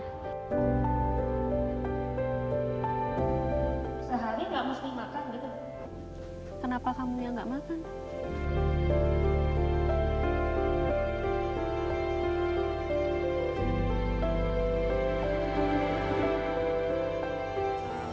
sehari nggak mesti makan gitu kenapa kamu yang nggak makan